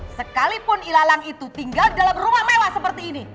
sekalipun ilalang itu tinggal di dalam rumah mewah seperti ini